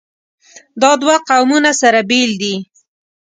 دا دوه قومونه سره بېل دي.